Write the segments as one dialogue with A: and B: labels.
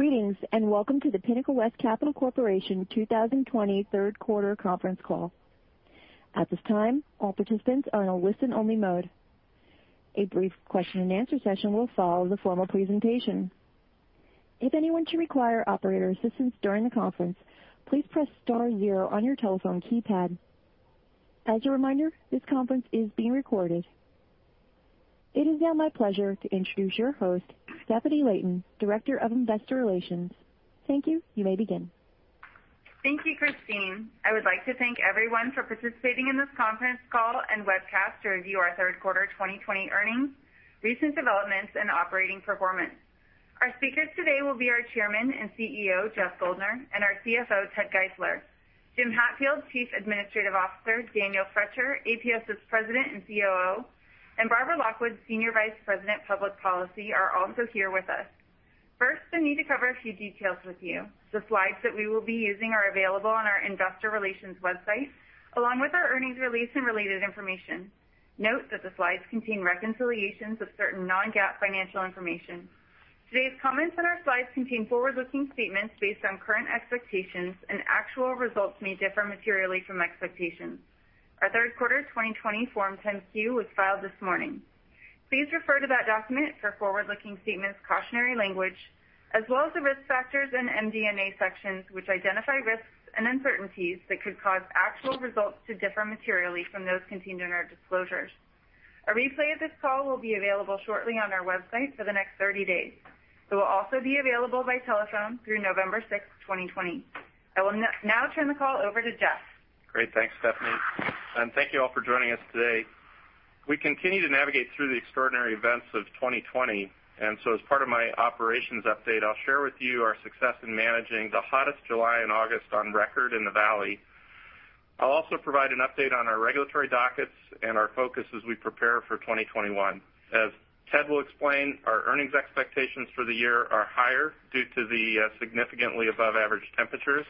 A: Greetings, and welcome to the Pinnacle West Capital Corporation 2020 third quarter conference call. At this time, all participants are in a listen-only mode. A brief question and answer session will follow the formal presentation. If anyone should require operator assistance during the conference, please press star zero on your telephone keypad. As a reminder, this conference is being recorded. It is now my pleasure to introduce your host, Stefanie Layton, Director of Investor Relations. Thank you. You may begin.
B: Thank you, Christine. I would like to thank everyone for participating in this conference call and webcast to review our third quarter 2020 earnings, recent developments, and operating performance. Our speakers today will be our Chairman and CEO, Jeff Guldner, and our CFO, Ted Geisler. Jim Hatfield, Chief Administrative Officer, Daniel Froetscher, APS's President and COO, and Barbara Lockwood, Senior Vice President Public Policy, are also here with us. First, the need to cover a few details with you. The slides that we will be using are available on our investor relations website, along with our earnings release and related information. Note that the slides contain reconciliations of certain non-GAAP financial information. Today's comments and our slides contain forward-looking statements based on current expectations, and actual results may differ materially from expectations. Our third quarter 2020 Form 10-Q was filed this morning. Please refer to that document for forward-looking statements cautionary language, as well as the Risk Factors and MD&A sections, which identify risks and uncertainties that could cause actual results to differ materially from those contained in our disclosures. A replay of this call will be available shortly on our website for the next 30 days. It will also be available by telephone through November 6, 2020. I will now turn the call over to Jeff.
C: Great. Thanks, Stefanie. Thank you all for joining us today. We continue to navigate through the extraordinary events of 2020, as part of my operations update, I'll share with you our success in managing the hottest July and August on record in the Valley. I'll also provide an update on our regulatory dockets and our focus as we prepare for 2021. As Ted will explain, our earnings expectations for the year are higher due to the significantly above-average temperatures.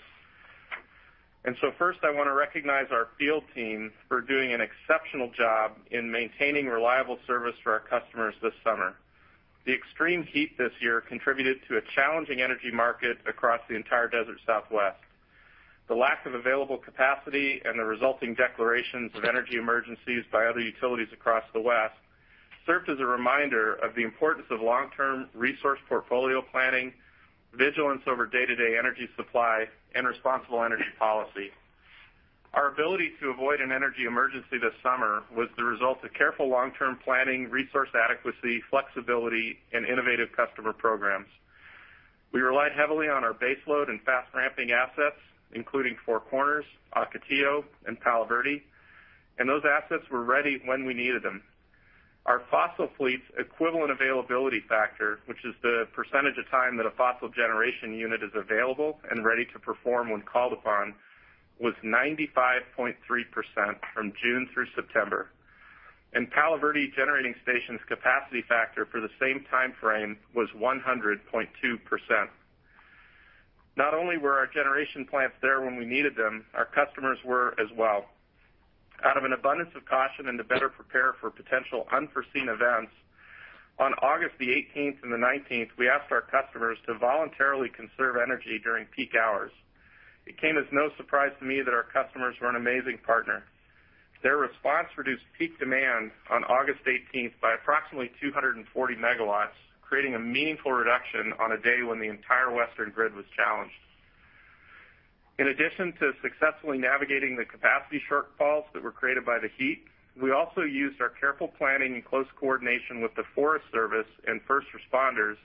C: First, I want to recognize our field team for doing an exceptional job in maintaining reliable service for our customers this summer. The extreme heat this year contributed to a challenging energy market across the entire desert Southwest. The lack of available capacity and the resulting declarations of energy emergencies by other utilities across the West served as a reminder of the importance of long-term resource portfolio planning, vigilance over day-to-day energy supply, and responsible energy policy. Our ability to avoid an energy emergency this summer was the result of careful long-term planning, resource adequacy, flexibility, and innovative customer programs. We relied heavily on our baseload and fast-ramping assets, including Four Corners, Ocotillo, and Palo Verde, and those assets were ready when we needed them. Our fossil fleet's equivalent availability factor, which is the percentage of time that a fossil generation unit is available and ready to perform when called upon, was 95.3% from June through September. Palo Verde Generating Station's capacity factor for the same timeframe was 100.2%. Not only were our generation plants there when we needed them, our customers were as well. Out of an abundance of caution and to better prepare for potential unforeseen events, on August 18th and 19th, we asked our customers to voluntarily conserve energy during peak hours. It came as no surprise to me that our customers were an amazing partner. Their response reduced peak demand on August 18th by approximately 240 megawatts, creating a meaningful reduction on a day when the entire Western Interconnection was challenged. In addition to successfully navigating the capacity shortfalls that were created by the heat, we also used our careful planning and close coordination with the Forest Service and first responders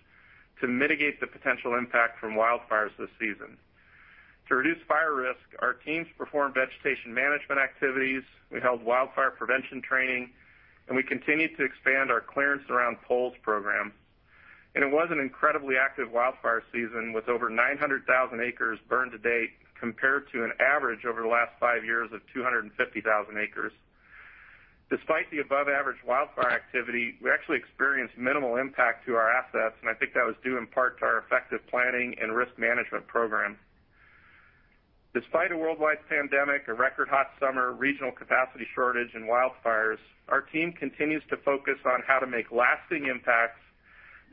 C: to mitigate the potential impact from wildfires this season. To reduce fire risk, our teams performed vegetation management activities, we held wildfire prevention training, and we continued to expand our clearance around poles program. It was an incredibly active wildfire season, with over 900,000 acres burned to date, compared to an average over the last five years of 250,000 acres. Despite the above-average wildfire activity, we actually experienced minimal impact to our assets, and I think that was due in part to our effective planning and risk management program. Despite a worldwide pandemic, a record hot summer, regional capacity shortage, and wildfires, our team continues to focus on how to make lasting impacts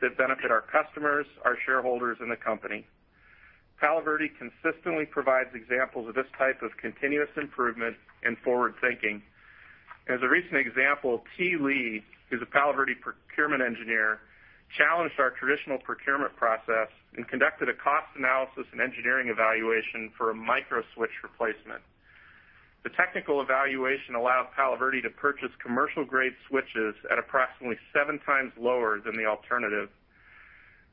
C: that benefit our customers, our shareholders, and the company. Palo Verde consistently provides examples of this type of continuous improvement and forward-thinking. As a recent example, Ti Li, who's a Palo Verde procurement engineer, challenged our traditional procurement process and conducted a cost analysis and engineering evaluation for a micro switch replacement. The technical evaluation allowed Palo Verde to purchase commercial-grade switches at approximately 7x lower than the alternative.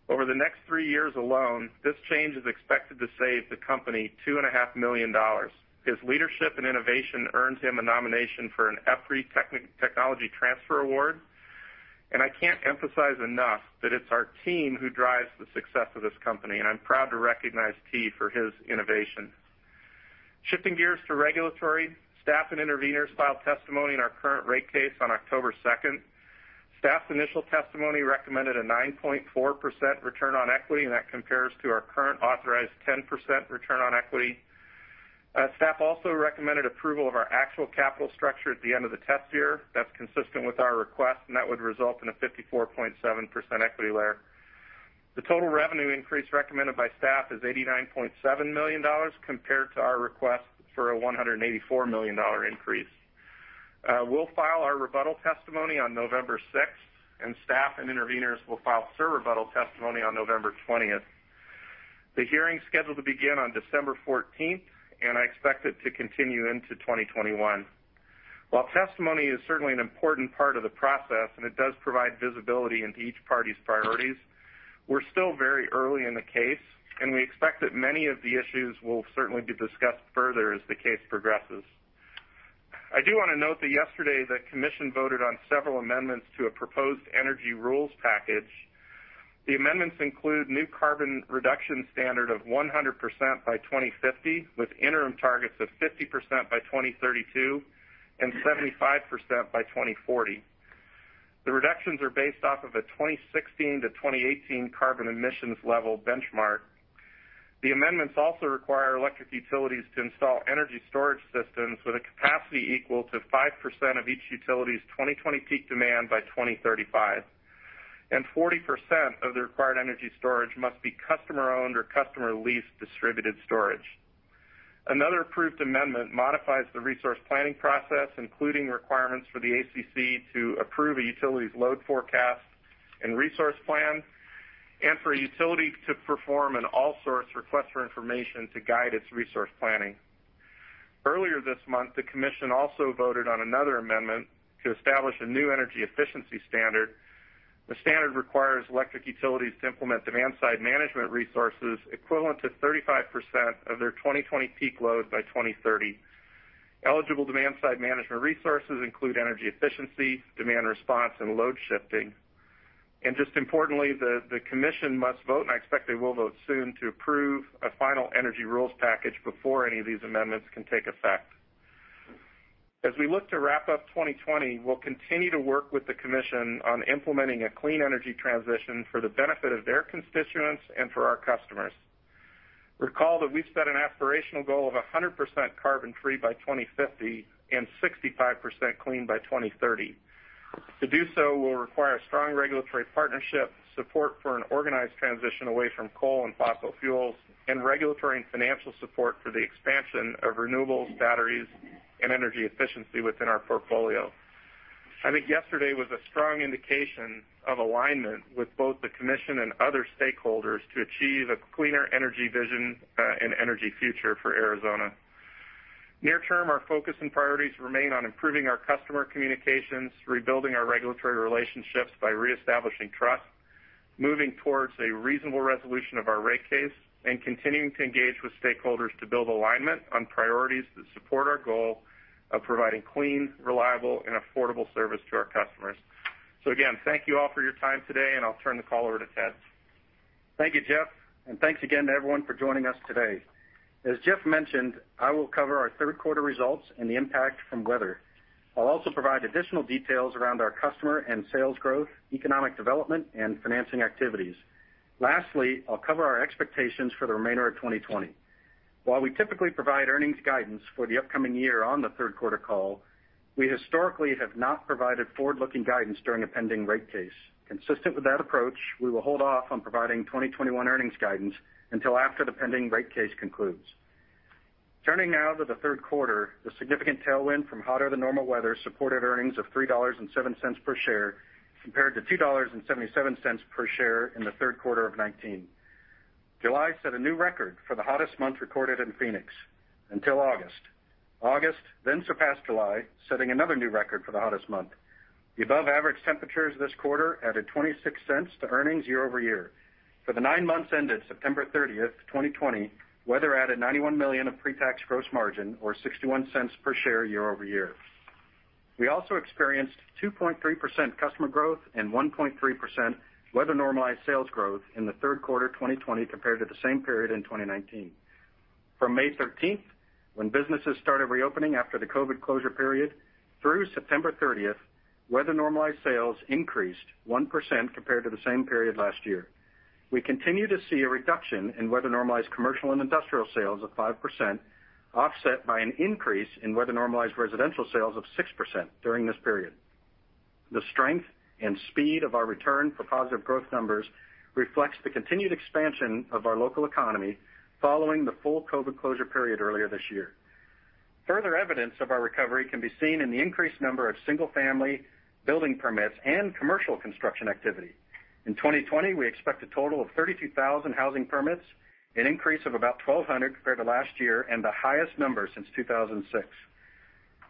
C: Over the next three years alone, this change is expected to save the company $2.5 million. His leadership and innovation earned him a nomination for an EPRI Technology Transfer Award. I can't emphasize enough that it's our team who drives the success of this company, and I'm proud to recognize Ti for his innovation. Shifting gears to regulatory, staff and interveners filed testimony in our current rate case on October 2nd. Staff's initial testimony recommended a 9.4% return on equity, and that compares to our current authorized 10% return on equity. Staff also recommended approval of our actual capital structure at the end of the test year. That's consistent with our request, and that would result in a 54.7% equity layer. The total revenue increase recommended by staff is $89.7 million, compared to our request for a $184 million increase. We'll file our rebuttal testimony on November 6th. Staff and intervenors will file surrebuttal testimony on November 20th. The hearing is scheduled to begin on December 14th. I expect it to continue into 2021. While testimony is certainly an important part of the process and it does provide visibility into each party's priorities, we're still very early in the case, and we expect that many of the issues will certainly be discussed further as the case progresses. I do want to note that yesterday the Commission voted on several amendments to a proposed energy rules package. The amendments include new carbon reduction standard of 100% by 2050, with interim targets of 50% by 2032 and 75% by 2040. The reductions are based off of a 2016-2018 carbon emissions level benchmark. The amendments also require electric utilities to install energy storage systems with a capacity equal to 5% of each utility's 2020 peak demand by 2035, and 40% of the required energy storage must be customer-owned or customer-leased distributed storage. Another approved amendment modifies the resource planning process, including requirements for the ACC to approve a utility's load forecast and resource plan and for a utility to perform an all source request for information to guide its resource planning. Earlier this month, the commission also voted on another amendment to establish a new energy efficiency standard. The standard requires electric utilities to implement demand-side management resources equivalent to 35% of their 2020 peak load by 2030. Eligible demand-side management resources include energy efficiency, demand response, and load shifting. Just importantly, the Commission must vote, and I expect they will vote soon to approve a final energy rules package before any of these amendments can take effect. As we look to wrap up 2020, we'll continue to work with the commission on implementing a clean energy transition for the benefit of their constituents and for our customers. Recall that we've set an aspirational goal of 100% carbon-free by 2050 and 65% clean by 2030. To do so will require strong regulatory partnership, support for an organized transition away from coal and fossil fuels, and regulatory and financial support for the expansion of renewables, batteries, and energy efficiency within our portfolio. I think yesterday was a strong indication of alignment with both the Commission and other stakeholders to achieve a cleaner energy vision, and energy future for Arizona. Near term, our focus and priorities remain on improving our customer communications, rebuilding our regulatory relationships by reestablishing trust, moving towards a reasonable resolution of our rate case, and continuing to engage with stakeholders to build alignment on priorities that support our goal of providing clean, reliable, and affordable service to our customers. Again, thank you all for your time today, and I'll turn the call over to Ted.
D: Thank you, Jeff, and thanks again to everyone for joining us today. As Jeff mentioned, I will cover our third quarter results and the impact from weather. I'll also provide additional details around our customer and sales growth, economic development, and financing activities. Lastly, I'll cover our expectations for the remainder of 2020. While we typically provide earnings guidance for the upcoming year on the third quarter call, we historically have not provided forward-looking guidance during a pending rate case. Consistent with that approach, we will hold off on providing 2021 earnings guidance until after the pending rate case concludes. Turning now to the third quarter, the significant tailwind from hotter than normal weather supported earnings of $3.07 per share, compared to $2.77 per share in the third quarter of 2019. July set a new record for the hottest month recorded in Phoenix until August. August then surpassed July, setting another new record for the hottest month. The above-average temperatures this quarter added $0.26 to earnings year-over-year. For the nine months ended September 30th, 2020, weather added $91 million of pre-tax gross margin or $0.61 per share year-over-year. We also experienced 2.3% customer growth and 1.3% weather-normalized sales growth in Q3 2020 compared to the same period in 2019. From May 13th, when businesses started reopening after the COVID-19 closure period, through September 30th, weather-normalized sales increased 1% compared to the same period last year. We continue to see a reduction in weather-normalized commercial and industrial sales of 5%, offset by an increase in weather-normalized residential sales of 6% during this period. The strength and speed of our return for positive growth numbers reflects the continued expansion of our local economy following the full COVID closure period earlier this year. Further evidence of our recovery can be seen in the increased number of single-family building permits and commercial construction activity. In 2020, we expect a total of 32,000 housing permits, an increase of about 1,200 compared to last year and the highest number since 2006.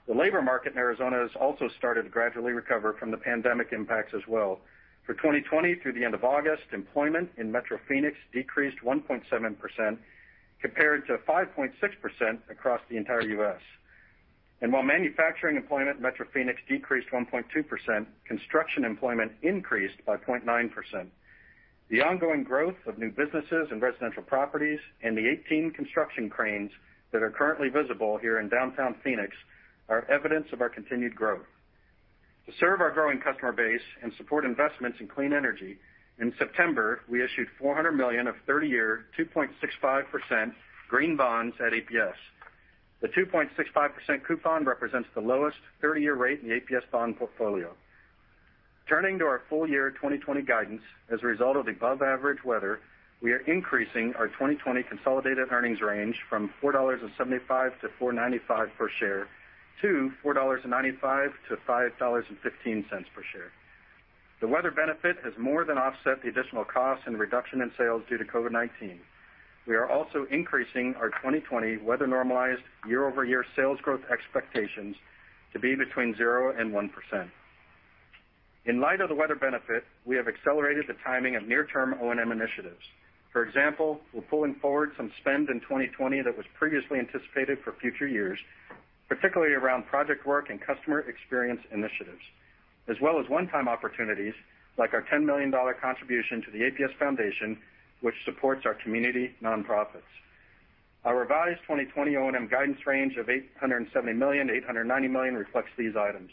D: The labor market in Arizona has also started to gradually recover from the pandemic impacts as well. For 2020 through the end of August, employment in metro Phoenix decreased 1.7%, compared to 5.6% across the entire U.S. While manufacturing employment in Metro Phoenix decreased 1.2%, construction employment increased by 0.9%. The ongoing growth of new businesses and residential properties and the 18 construction cranes that are currently visible here in downtown Phoenix are evidence of our continued growth. To serve our growing customer base and support investments in clean energy, in September, we issued $400 million of 30-year, 2.65% green bonds at APS. The 2.65% coupon represents the lowest 30-year rate in the APS bond portfolio. Turning to our full year 2020 guidance, as a result of above average weather, we are increasing our 2020 consolidated earnings range from $4.75-$4.95 per share to $4.95-$5.15 per share. The weather benefit has more than offset the additional costs and reduction in sales due to COVID-19. We are also increasing our 2020 weather-normalized year-over-year sales growth expectations to be between 0% and 1%. In light of the weather benefit, we have accelerated the timing of near-term O&M initiatives. For example, we're pulling forward some spend in 2020 that was previously anticipated for future years, particularly around project work and customer experience initiatives, as well as one-time opportunities like our $10 million contribution to the APS Foundation, which supports our community nonprofits. Our revised 2020 O&M guidance range of $870 million-$890 million reflects these items.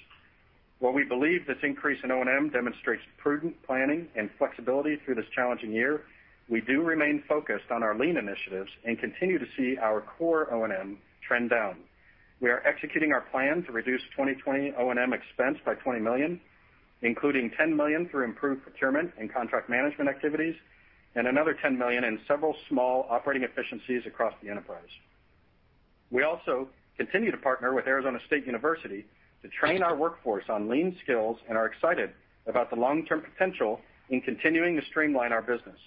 D: While we believe this increase in O&M demonstrates prudent planning and flexibility through this challenging year, we do remain focused on our lean initiatives and continue to see our core O&M trend down. We are executing our plan to reduce 2020 O&M expense by $20 million, including $10 million through improved procurement and contract management activities, and another $10 million in several small operating efficiencies across the enterprise. We also continue to partner with Arizona State University to train our workforce on lean skills and are excited about the long-term potential in continuing to streamline our business.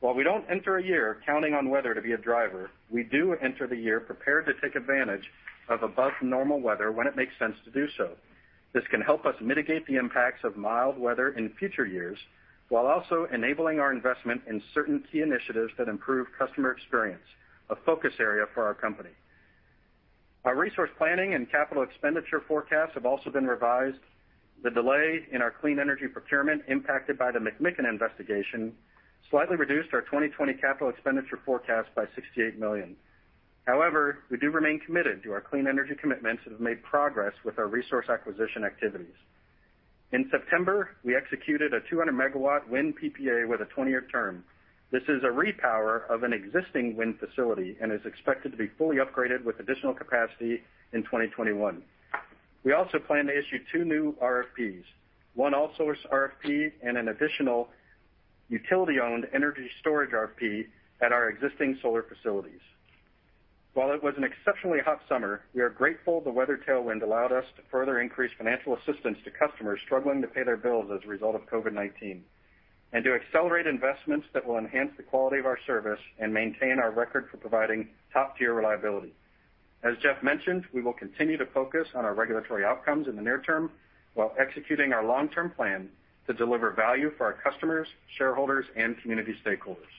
D: While we don't enter a year counting on weather to be a driver, we do enter the year prepared to take advantage of above normal weather when it makes sense to do so. This can help us mitigate the impacts of mild weather in future years, while also enabling our investment in certain key initiatives that improve customer experience, a focus area for our company. Our resource planning and capital expenditure forecasts have also been revised. The delay in our clean energy procurement impacted by the McMicken investigation slightly reduced our 2020 capital expenditure forecast by $68 million. We do remain committed to our clean energy commitments and have made progress with our resource acquisition activities. In September, we executed a 200-megawatt wind PPA with a 20-year term. This is a repower of an existing wind facility and is expected to be fully upgraded with additional capacity in 2021. We also plan to issue two new RFPs, one all-source RFP, and an additional utility-owned energy storage RFP at our existing solar facilities. While it was an exceptionally hot summer, we are grateful the weather tailwind allowed us to further increase financial assistance to customers struggling to pay their bills as a result of COVID-19, and to accelerate investments that will enhance the quality of our service and maintain our record for providing top-tier reliability. As Jeff mentioned, we will continue to focus on our regulatory outcomes in the near term while executing our long-term plan to deliver value for our customers, shareholders, and community stakeholders.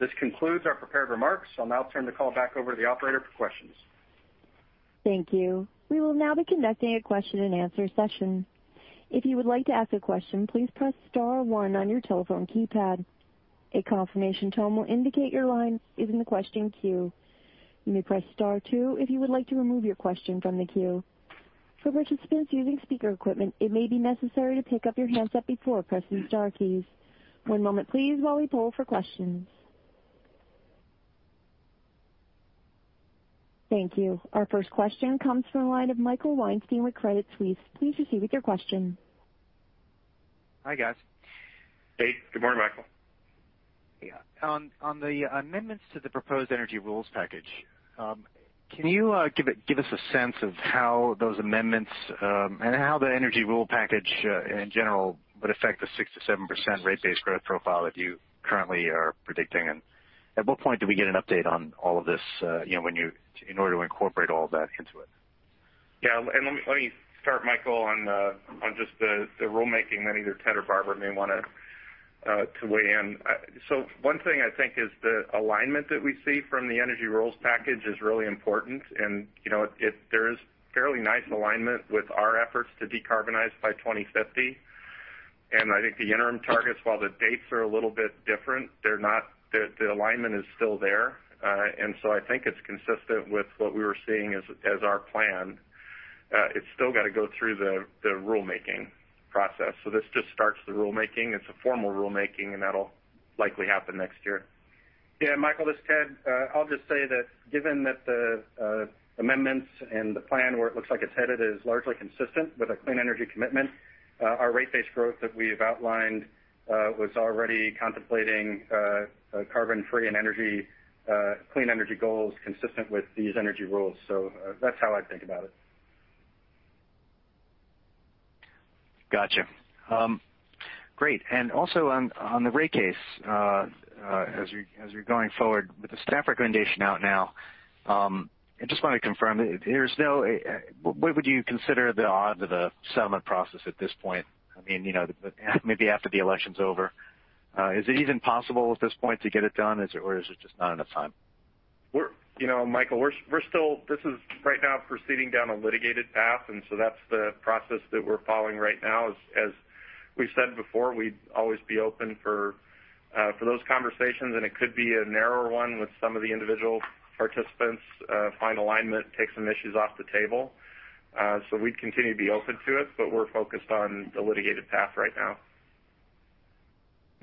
D: This concludes our prepared remarks. I'll now turn the call back over to the operator for questions.
A: Thank you. We will now be conducting a question-and-answer session. If you would like to ask a question, please press star one on your telephone keypad. A confirmation tone will indicate your line is in the question queue. You may press star two if you would like to remove your question from the queue. For participants using speaker equipment, it may be necessary to pick up your handset before pressing the star keys. One moment please while we poll for questions. Thank you. Our first question comes from the line of Michael Weinstein with Credit Suisse. Please proceed with your question.
E: Hi, guys.
C: Hey, good morning, Michael.
E: On the amendments to the proposed energy rules package, can you give us a sense of how those amendments, and how the energy rule package in general would affect the 6%-7% rate base growth profile that you currently are predicting? At what point do we get an update on all of this in order to incorporate all that into it?
C: Yeah. Let me start, Michael, on just the rulemaking, then either Ted or Barbara may want to weigh in. One thing I think is the alignment that we see from the energy rules package is really important. There is fairly nice alignment with our efforts to decarbonize by 2050. I think the interim targets, while the dates are a little bit different, the alignment is still there. I think it's consistent with what we were seeing as our plan. It's still got to go through the rulemaking process. This just starts the rulemaking. It's a formal rulemaking, and that'll likely happen next year.
D: Yeah, Michael, this is Ted. I'll just say that given that the amendments and the plan where it looks like it's headed is largely consistent with a clean energy commitment, our rate base growth that we've outlined was already contemplating carbon-free and clean energy goals consistent with these energy rules. That's how I think about it.
E: Got you. Great. Also on the rate case, as you're going forward with the staff recommendation out now, I just want to confirm, what would you consider the odds of the settlement process at this point? Maybe after the election's over. Is it even possible at this point to get it done, or is it just not enough time?
C: Michael, this is right now proceeding down a litigated path. That's the process that we're following right now. As we've said before, we'd always be open for those conversations. It could be a narrower one with some of the individual participants, find alignment, take some issues off the table. We'd continue to be open to it, but we're focused on the litigated path right now.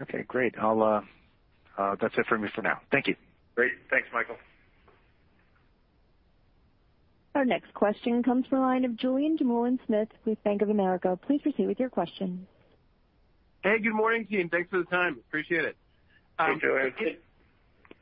E: Okay, great. That's it for me for now. Thank you.
C: Great. Thanks, Michael.
A: Our next question comes from the line of Julien Dumoulin-Smith with Bank of America. Please proceed with your question.
F: Hey, good morning, team. Thanks for the time. Appreciate it.
D: Hey, Julien.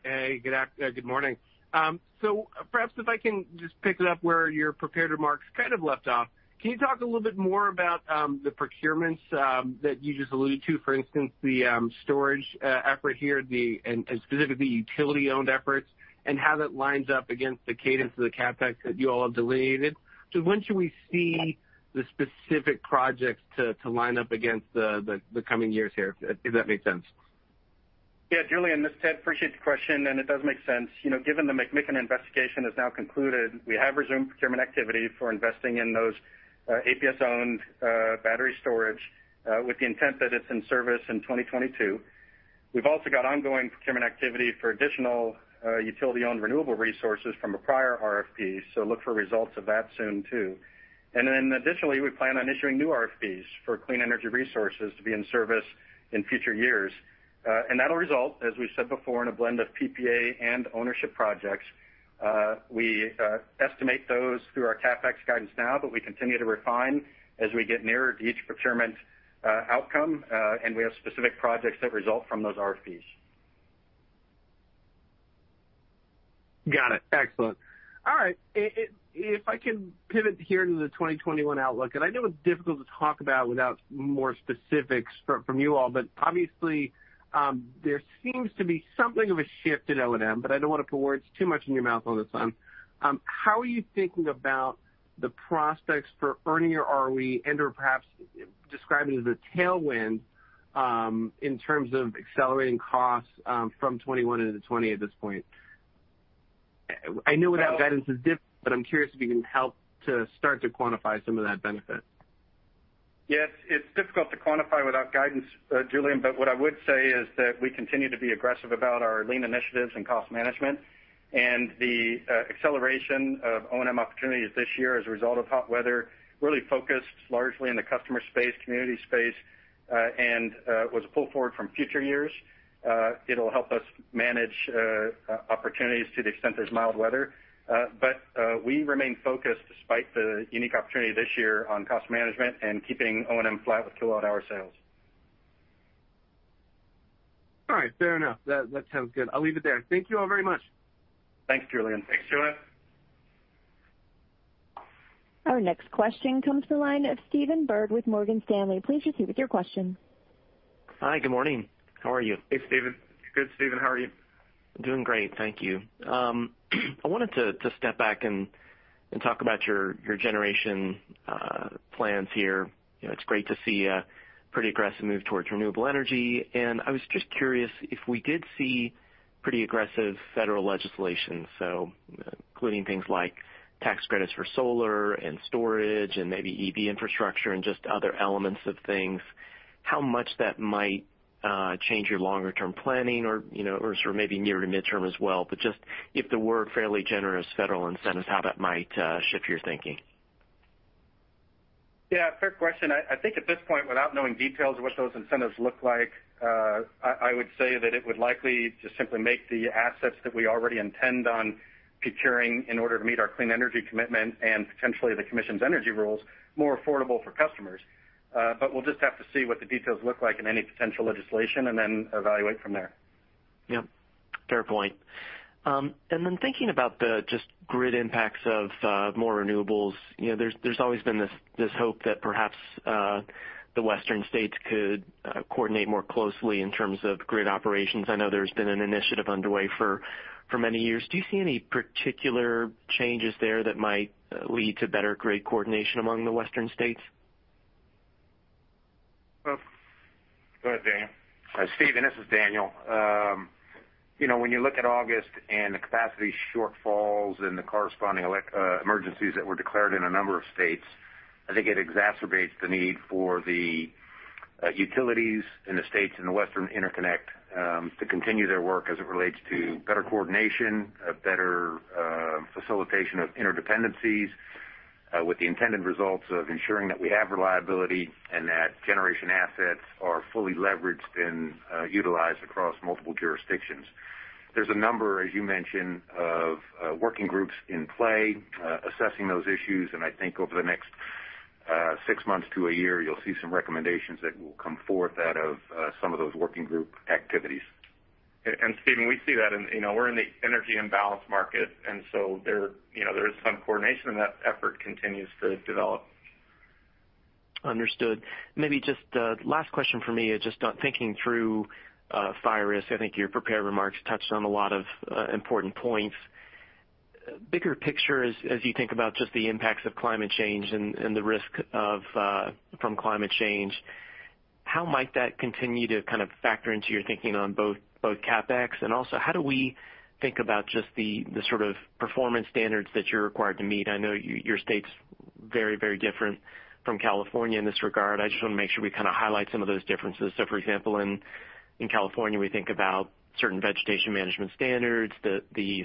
F: Hey, good morning. Perhaps if I can just pick it up where your prepared remarks kind of left off. Can you talk a little bit more about the procurements that you just alluded to, for instance, the storage effort here, and specifically utility-owned efforts, and how that lines up against the cadence of the CapEx that you all have delineated? When should we see the specific projects to line up against the coming years here, if that makes sense?
D: Yeah. Julien, this is Ted. Appreciate the question, and it does make sense. Given the McMicken investigation is now concluded, we have resumed procurement activity for investing in those APS-owned battery storage with the intent that it's in service in 2022. We've also got ongoing procurement activity for additional utility-owned renewable resources from a prior RFP, so look for results of that soon, too. Additionally, we plan on issuing new RFPs for clean energy resources to be in service in future years. That'll result, as we said before, in a blend of PPA and ownership projects. We estimate those through our CapEx guidance now, but we continue to refine as we get nearer to each procurement outcome, and we have specific projects that result from those RFPs.
F: Got it. Excellent. All right. If I can pivot here to the 2021 outlook, I know it's difficult to talk about without more specifics from you all, but obviously, there seems to be something of a shift in O&M, but I don't want to put words too much in your mouth all the time. How are you thinking about the prospects for earning your ROE and/or perhaps describing as a tailwind in terms of accelerating costs from '21 into '20 at this point? I know without guidance but I'm curious if you can help to start to quantify some of that benefit.
D: Yes, it's difficult to quantify without guidance, Julien. What I would say is that we continue to be aggressive about our lean initiatives and cost management. The acceleration of O&M opportunities this year as a result of hot weather really focused largely in the customer space, community space, and was a pull forward from future years. It'll help us manage opportunities to the extent there's mild weather. We remain focused despite the unique opportunity this year on cost management and keeping O&M flat with kilowatt-hour sales.
F: All right. Fair enough. That sounds good. I'll leave it there. Thank you all very much.
D: Thanks, Julien.
G: Thanks, Julien.
A: Our next question comes from the line of Stephen Byrd with Morgan Stanley. Please proceed with your question.
H: Hi, good morning. How are you?
D: Hey, Stephen.
G: Good, Stephen. How are you?
H: Doing great, thank you. I wanted to step back and talk about your generation plans here. It's great to see a pretty aggressive move towards renewable energy, and I was just curious if we did see pretty aggressive federal legislation, so including things like tax credits for solar and storage and maybe EV infrastructure and just other elements of things, how much that might change your longer-term planning or sort of maybe near to midterm as well, but just if there were fairly generous federal incentives, how that might shift your thinking.
C: Yeah, fair question. I think at this point, without knowing details of what those incentives look like, I would say that it would likely just simply make the assets that we already intend on procuring in order to meet our clean energy commitment and potentially the Commission's energy rules more affordable for customers. We'll just have to see what the details look like in any potential legislation and then evaluate from there.
H: Yep. Fair point. Thinking about the just grid impacts of more renewables. There's always been this hope that perhaps the Western states could coordinate more closely in terms of grid operations. I know there's been an initiative underway for many years. Do you see any particular changes there that might lead to better grid coordination among the Western states?
C: Go ahead, Daniel.
G: Stephen, this is Daniel. When you look at August and the capacity shortfalls and the corresponding emergencies that were declared in a number of states, I think it exacerbates the need for the utilities in the states and the Western Interconnect to continue their work as it relates to better coordination, a better facilitation of interdependencies, with the intended results of ensuring that we have reliability and that generation assets are fully leveraged and utilized across multiple jurisdictions. There's a number, as you mentioned, of working groups in play assessing those issues, and I think over the next six months to a year, you'll see some recommendations that will come forth out of some of those working group activities.
C: Stephen, we're in the energy imbalance market, and so there is some coordination, and that effort continues to develop.
H: Understood. Maybe just the last question for me is just on thinking through fire risk. I think your prepared remarks touched on a lot of important points. Bigger picture as you think about just the impacts of climate change and the risk from climate change, how might that continue to kind of factor into your thinking on both CapEx? Also how do we think about just the sort of performance standards that you're required to meet? I know your state's very different from California in this regard. I just want to make sure we kind of highlight some of those differences. For example, in California, we think about certain vegetation management standards. The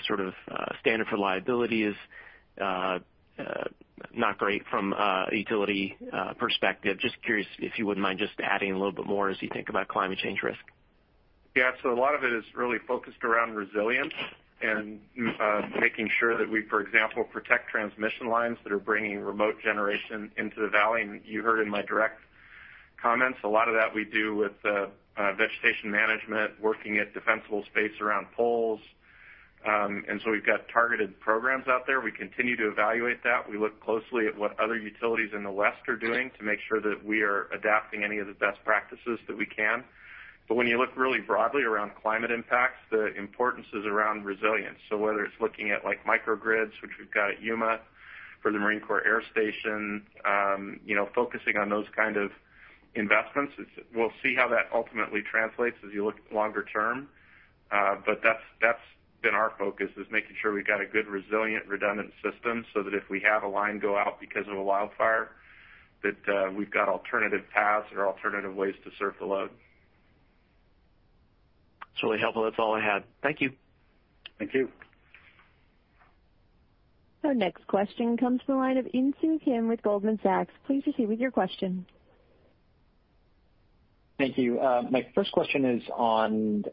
H: standard for liability is not great from a utility perspective. Just curious if you wouldn't mind just adding a little bit more as you think about climate change risk.
C: Yeah. A lot of it is really focused around resilience and making sure that we, for example, protect transmission lines that are bringing remote generation into the valley. You heard in my direct comments, a lot of that we do with vegetation management, working at defensible space around poles. We've got targeted programs out there. We continue to evaluate that. We look closely at what other utilities in the West are doing to make sure that we are adapting any of the best practices that we can. When you look really broadly around climate impacts, the importance is around resilience. Whether it's looking at microgrids, which we've got at Yuma for the Marine Corps Air Station, focusing on those kind of investments, we'll see how that ultimately translates as you look longer term. That's been our focus, is making sure we've got a good, resilient, redundant system so that if we have a line go out because of a wildfire, that we've got alternative paths or alternative ways to serve the load.
H: It's really helpful. That's all I had. Thank you.
C: Thank you.
A: Our next question comes from the line of Insoo Kim with Goldman Sachs. Please proceed with your question.
I: Thank you. My first question is on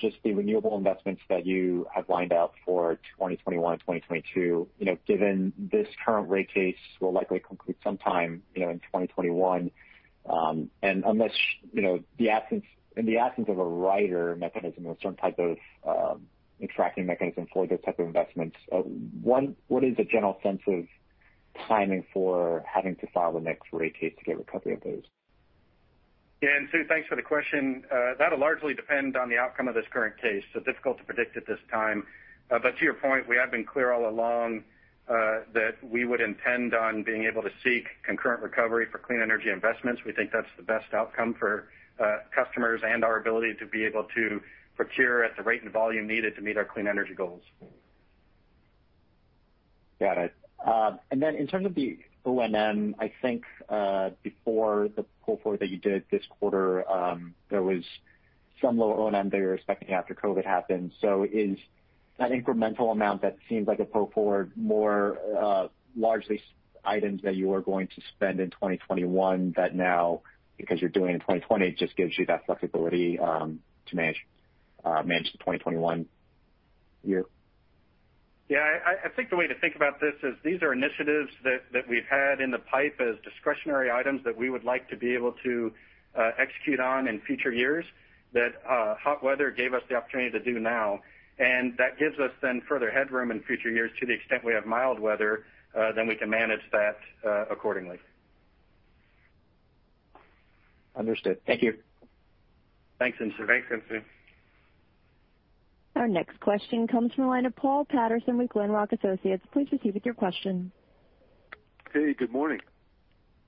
I: just the renewable investments that you have lined up for 2021 and 2022. Given this current rate case will likely conclude sometime in 2021, and in the absence of a rider mechanism or some type of tracking mechanism for those type of investments, what is a general sense of timing for having to file the next rate case to get recovery of those?
D: Yeah. Insoo, thanks for the question. That'll largely depend on the outcome of this current case, so difficult to predict at this time. To your point, we have been clear all along that we would intend on being able to seek concurrent recovery for clean energy investments. We think that's the best outcome for customers and our ability to be able to procure at the rate and volume needed to meet our clean energy goals.
I: Got it. Then in terms of the O&M, I think before the pull forward that you did this quarter, there was some lower O&M that you were expecting after COVID happened. Is that incremental amount that seems like a pull forward more largely items that you were going to spend in 2021 that now, because you're doing it in 2020, it just gives you that flexibility to manage the 2021 year?
D: I think the way to think about this is these are initiatives that we've had in the pipe as discretionary items that we would like to be able to execute on in future years, that hot weather gave us the opportunity to do now. That gives us then further headroom in future years to the extent we have mild weather, then we can manage that accordingly.
I: Understood. Thank you.
D: Thanks, Insoo.
A: Our next question comes from the line of Paul Patterson with Glenrock Associates. Please proceed with your question.
J: Hey, good morning.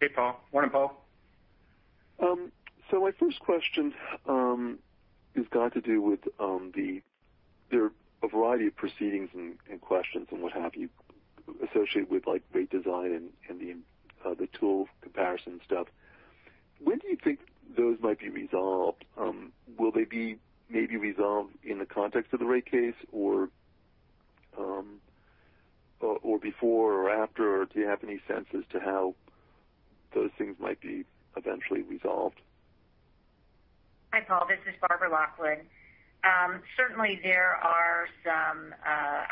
C: Hey, Paul. Morning, Paul.
J: My first question has got to do with, there are a variety of proceedings and questions and what have you associated with rate design and the tool comparison stuff. When do you think those might be resolved? Will they be maybe resolved in the context of the rate case or before or after? Do you have any sense as to how those things might be eventually resolved?
K: Hi, Paul. This is Barbara Lockwood. Certainly, there are some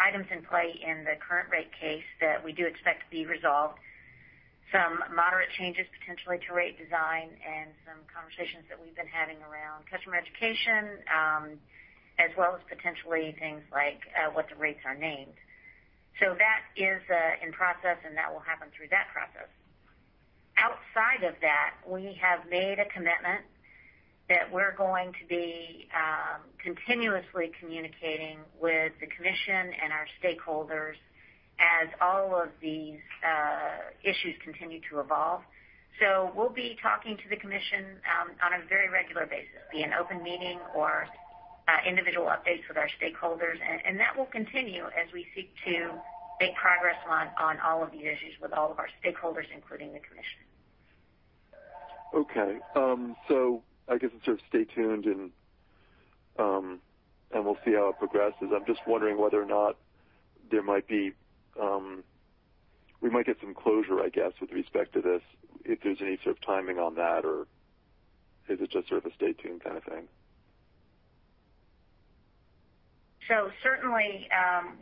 K: items in play in the current rate case that we do expect to be resolved. Some moderate changes potentially to rate design and some conversations that we've been having around customer education, as well as potentially things like what the rates are named. That is in process, and that will happen through that process. Outside of that, we have made a commitment that we're going to be continuously communicating with the commission and our stakeholders as all of these issues continue to evolve. We'll be talking to the commission on a very regular basis, be an open meeting or individual updates with our stakeholders, and that will continue as we seek to make progress on all of the issues with all of our stakeholders, including the commission.
J: Okay. I guess it's sort of stay tuned, and we'll see how it progresses. I'm just wondering whether or not we might get some closure, I guess, with respect to this, if there's any sort of timing on that, or is it just sort of a stay tuned kind of thing?
K: Certainly,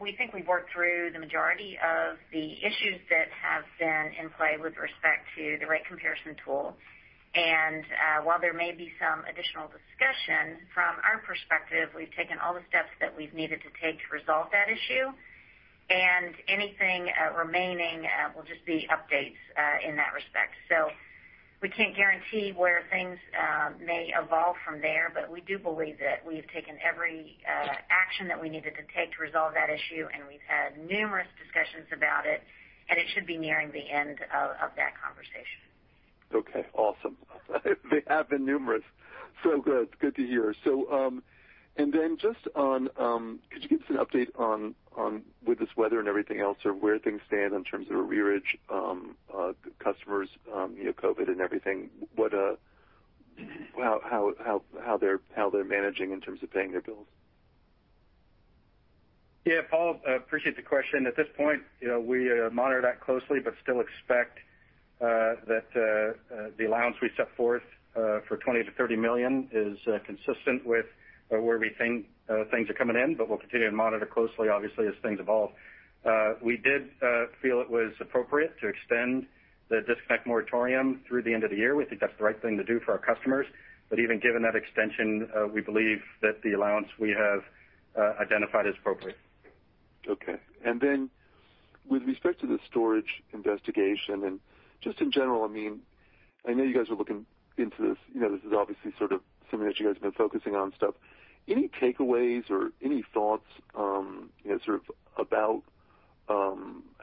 K: we think we've worked through the majority of the issues that have been in play with respect to the rate comparison tool. While there may be some additional discussion, from our perspective, we've taken all the steps that we've needed to take to resolve that issue, and anything remaining will just be updates in that respect. We can't guarantee where things may evolve from there, but we do believe that we've taken every action that we needed to take to resolve that issue, and we've had numerous discussions about it, and it should be nearing the end of that conversation.
J: Okay, awesome. They have been numerous. Good. Good to hear. Could you give us an update on, with this weather and everything else, where things stand in terms of arrearage, customers, COVID and everything, how they're managing in terms of paying their bills?
C: Yeah, Paul, appreciate the question. At this point, we monitor that closely but still expect that the allowance we set forth for $20 million-$30 million is consistent with where we think things are coming in, but we'll continue to monitor closely, obviously, as things evolve. We did feel it was appropriate to extend the disconnect moratorium through the end of the year. We think that's the right thing to do for our customers. Even given that extension, we believe that the allowance we have identified is appropriate.
J: Okay. With respect to the storage investigation and just in general, I know you guys are looking into this. This is obviously something that you guys have been focusing on stuff. Any takeaways or any thoughts about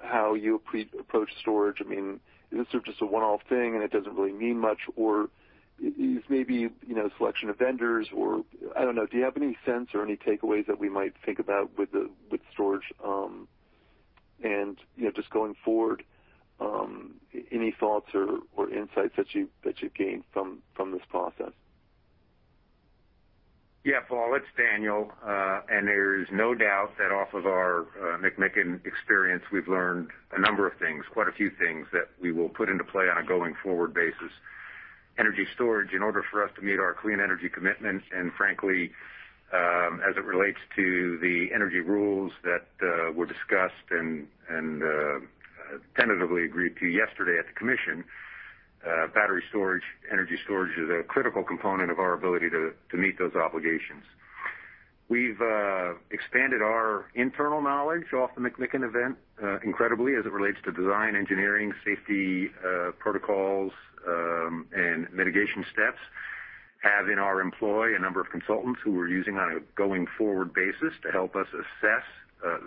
J: how you approach storage? Is this just a one-off thing and it doesn't really mean much? Maybe selection of vendors or, I don't know, do you have any sense or any takeaways that we might think about with storage? Going forward, any thoughts or insights that you've gained from this process?
G: Yeah, Paul, it's Daniel. There is no doubt that off of our McMicken experience, we've learned a number of things, quite a few things that we will put into play on a going forward basis. Energy storage, in order for us to meet our clean energy commitments, and frankly, as it relates to the energy rules that were discussed and tentatively agreed to yesterday at the commission, battery storage, energy storage is a critical component of our ability to meet those obligations. We've expanded our internal knowledge off the McMicken event incredibly as it relates to design, engineering, safety protocols, and mitigation steps. Have in our employ a number of consultants who we're using on a going-forward basis to help us assess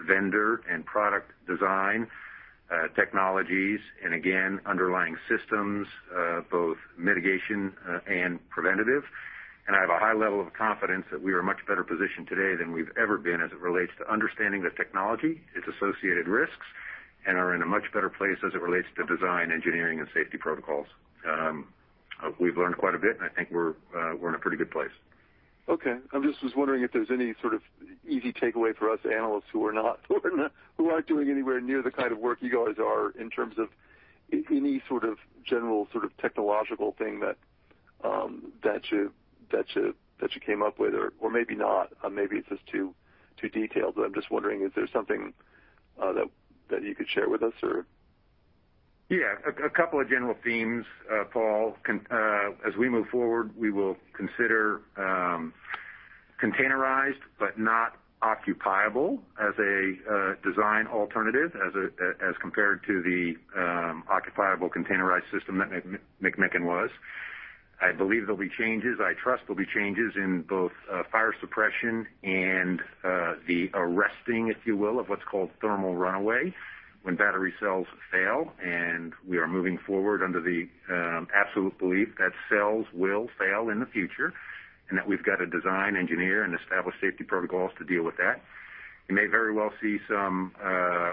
G: vendor and product design technologies, and again, underlying systems, both mitigation and preventative. I have a high level of confidence that we are much better positioned today than we've ever been as it relates to understanding the technology, its associated risks, and are in a much better place as it relates to design, engineering, and safety protocols. We've learned quite a bit, and I think we're in a pretty good place.
J: Okay. I just was wondering if there's any sort of easy takeaway for us analysts who aren't doing anywhere near the kind of work you guys are in terms of any sort of general technological thing that you came up with or maybe not. Maybe it's just too detailed. I'm just wondering, is there something that you could share with us?
G: A couple of general themes, Paul. As we move forward, we will consider containerized but not occupiable as a design alternative as compared to the occupiable containerized system that McMicken was. I believe there'll be changes. I trust there'll be changes in both fire suppression and the arresting, if you will, of what's called thermal runaway when battery cells fail. We are moving forward under the absolute belief that cells will fail in the future, and that we've got to design, engineer, and establish safety protocols to deal with that. You may very well see some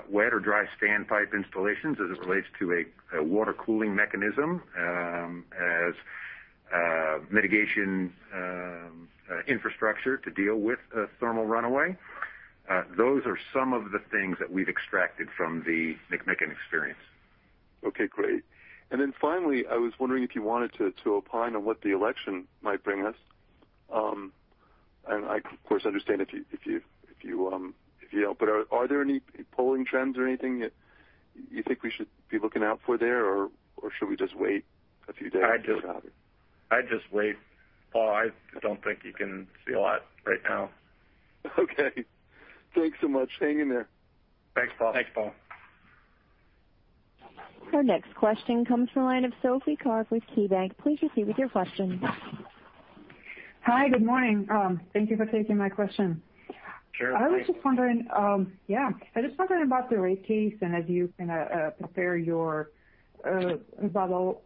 G: wet or dry standpipe installations as it relates to a water cooling mechanism as mitigation infrastructure to deal with a thermal runaway. Those are some of the things that we've extracted from the McMicken experience.
J: Okay, great. Finally, I was wondering if you wanted to opine on what the election might bring us. I of course, understand if you don't. Are there any polling trends or anything that you think we should be looking out for there? Should we just wait a few days?
C: I'd just wait, Paul. I don't think you can see a lot right now.
J: Okay. Thanks so much. Hang in there.
C: Thanks, Paul.
G: Thanks, Paul.
A: Our next question comes from the line of Sophie Karp with KeyBanc. Please proceed with your question.
L: Hi. Good morning. Thank you for taking my question.
C: Sure.
L: I was just wondering about the rate case and as you prepare your rebuttal.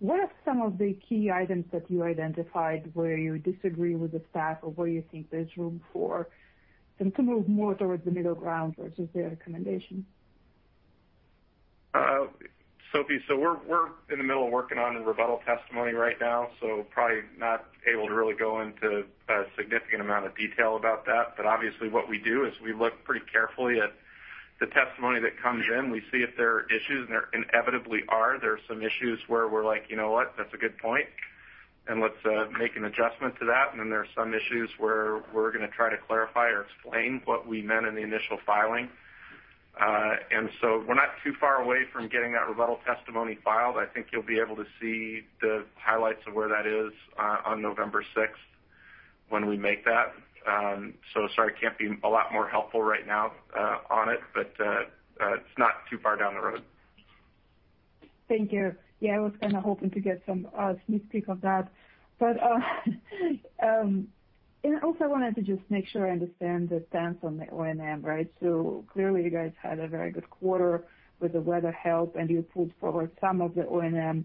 L: What are some of the key items that you identified where you disagree with the staff or where you think there's room for them to move more towards the middle ground versus their recommendation?
C: Sophie, we're in the middle of working on the rebuttal testimony right now, so probably not able to really go into a significant amount of detail about that. Obviously what we do is we look pretty carefully at the testimony that comes in. We see if there are issues, and there inevitably are. There are some issues where we're like, "You know what? That's a good point, and let's make an adjustment to that." Then there are some issues where we're going to try to clarify or explain what we meant in the initial filing. We're not too far away from getting that rebuttal testimony filed. I think you'll be able to see the highlights of where that is on November 6th when we make that. Sorry, can't be a lot more helpful right now on it, but it's not too far down the road.
L: Thank you. Yeah, I was kind of hoping to get some sneak peek of that. I also wanted to just make sure I understand the stance on the O&M, right? Clearly you guys had a very good quarter with the weather help, and you pulled forward some of the O&M.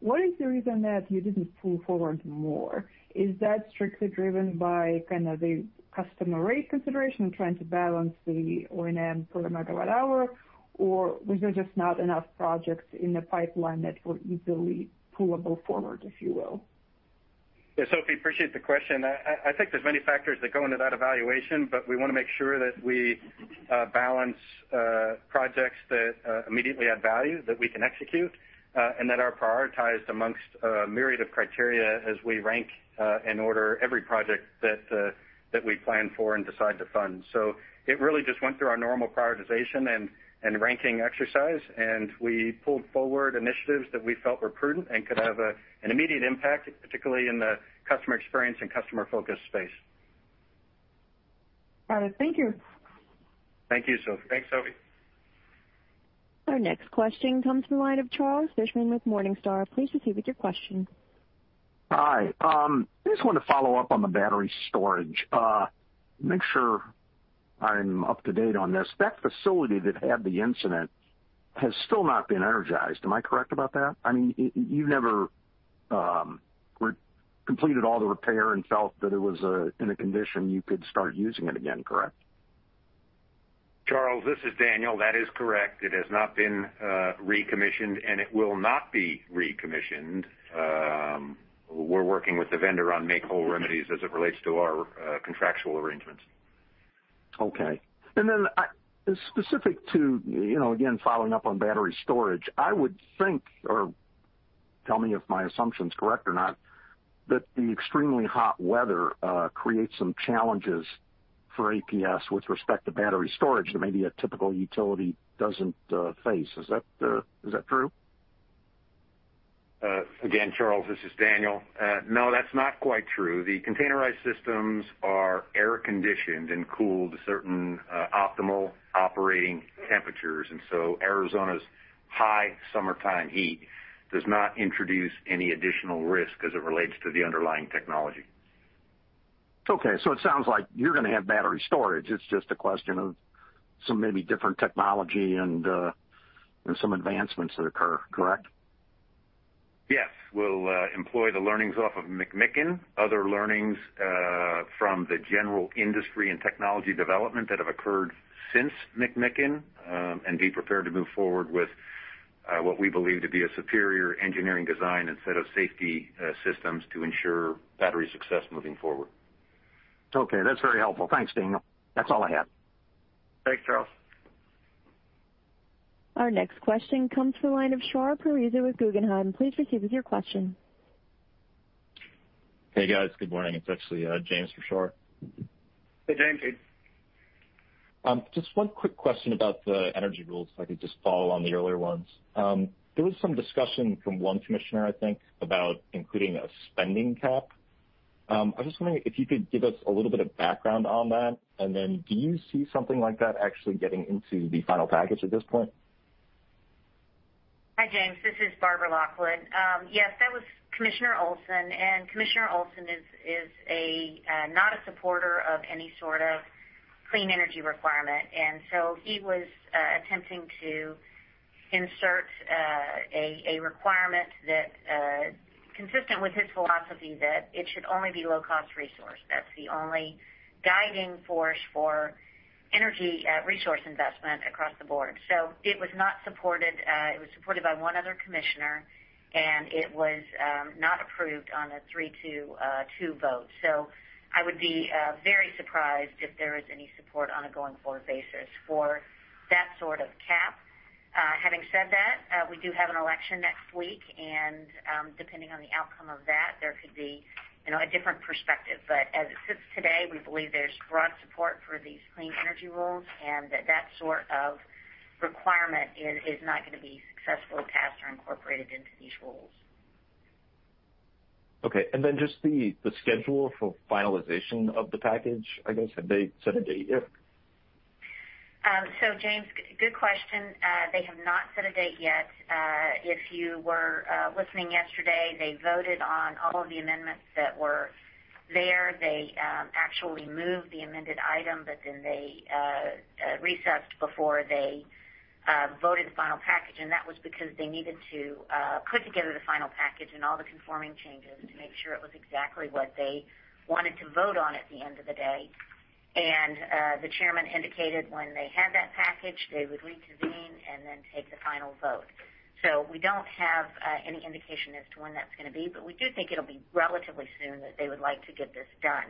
L: What is the reason that you didn't pull forward more? Is that strictly driven by the customer rate consideration and trying to balance the O&M per megawatt hour? Or was there just not enough projects in the pipeline that were easily pullable forward, if you will?
D: Yeah, Sophie, appreciate the question. I think there's many factors that go into that evaluation, but we want to make sure that we balance projects that immediately add value, that we can execute, and that are prioritized amongst a myriad of criteria as we rank and order every project that we plan for and decide to fund. It really just went through our normal prioritization and ranking exercise, and we pulled forward initiatives that we felt were prudent and could have an immediate impact, particularly in the customer experience and customer focus space.
L: Got it. Thank you.
D: Thank you, Sophie. Thanks, Sophie.
A: Our next question comes from the line of Charles Fishman with Morningstar. Please proceed with your question.
M: Hi. I just wanted to follow up on the battery storage, make sure I'm up to date on this. That facility that had the incident has still not been energized. Am I correct about that? I mean, you've never completed all the repair and felt that it was in a condition you could start using it again, correct?
G: Charles, this is Daniel. That is correct. It has not been recommissioned. It will not be recommissioned. We're working with the vendor on make-whole remedies as it relates to our contractual arrangements.
M: Okay. Specific to, again, following up on battery storage, I would think, or tell me if my assumption's correct or not, that the extremely hot weather creates some challenges for APS with respect to battery storage that maybe a typical utility doesn't face. Is that true?
G: Again, Charles, this is Daniel. No, that's not quite true. The containerized systems are air conditioned and cooled to certain optimal operating temperatures. Arizona's high summertime heat does not introduce any additional risk as it relates to the underlying technology.
M: Okay, it sounds like you're going to have battery storage. It's just a question of some maybe different technology and some advancements that occur, correct?
G: Yes. We'll employ the learnings off of McMicken, other learnings from the general industry and technology development that have occurred since McMicken, and be prepared to move forward with what we believe to be a superior engineering design and set of safety systems to ensure battery success moving forward.
M: Okay. That's very helpful. Thanks, Daniel. That's all I had.
G: Thanks, Charles.
A: Our next question comes from the line of Shar Pourreza with Guggenheim. Please proceed with your question.
N: Hey, guys. Good morning. It's actually James for Shar.
D: Hey, James.
N: Just one quick question about the energy rules, if I could just follow on the earlier ones. There was some discussion from one commissioner, I think, about including a spending cap. I was just wondering if you could give us a little bit of background on that, and then do you see something like that actually getting into the final package at this point?
K: Hi, James. This is Barbara Lockwood. Yes, that was Commissioner Olson, and Commissioner Olson is not a supporter of any sort of clean energy requirement. So he was attempting to insert a requirement that, consistent with his philosophy, that it should only be low-cost resource. That's the only guiding force for energy resource investment across the board. It was not supported. It was supported by one other commissioner, and it was not approved on a three to two vote. I would be very surprised if there is any support on a going-forward basis for that sort of cap. Having said that, we do have an election next week, and depending on the outcome of that, there could be a different perspective. As it sits today, we believe there's broad support for these clean energy rules, and that sort of requirement is not going to be successfully passed or incorporated into these rules.
N: Okay. Just the schedule for finalization of the package, I guess. Have they set a date yet?
K: James, good question. They have not set a date yet. If you were listening yesterday, they voted on all of the amendments that were there. They actually moved the amended item, but then they recessed before they voted the final package, and that was because they needed to put together the final package and all the conforming changes to make sure it was exactly what they wanted to vote on at the end of the day. The Chairman indicated when they had that package, they would reconvene and then take the final vote. We don't have any indication as to when that's going to be, but we do think it'll be relatively soon that they would like to get this done.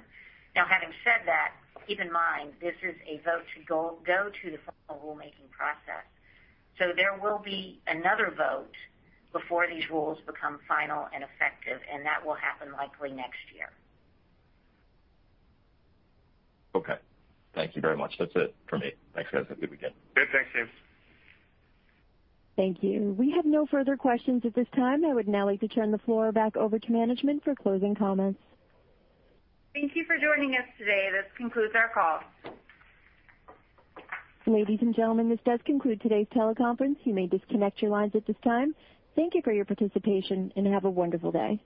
K: Having said that, keep in mind, this is a vote to go to the final rulemaking process. There will be another vote before these rules become final and effective, and that will happen likely next year.
N: Okay. Thank you very much. That's it from me. Thanks, guys. Have a good weekend.
D: Good. Thanks, James.
A: Thank you. We have no further questions at this time. I would now like to turn the floor back over to management for closing comments.
B: Thank you for joining us today. This concludes our call.
A: Ladies and gentlemen, this does conclude today's teleconference. You may disconnect your lines at this time. Thank you for your participation, and have a wonderful day.